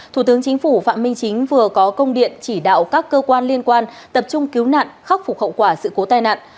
thủ tướng chính phủ phạm minh chính vừa có công điện chỉ đạo các cơ quan liên quan tập trung cứu nạn khắc phục hậu quả sự cố tai nạn